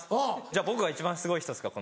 じゃあ僕が一番すごい人ですか？